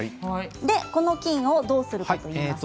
この菌をどうするかというと。